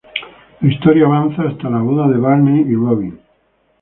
La historia avanza hasta la boda de Barney y Robin.